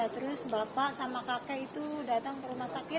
terus bapak sama kakek itu datang ke rumah sakit